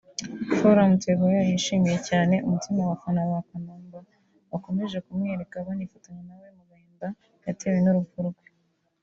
Flora Mtegoa yishimiye cyane umutima abafana ba Kanumba bakomeje kumwereka banifatanya na we mugahinda yatewe n’urupfu rwe